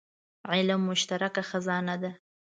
علم مشترکه خزانه ده.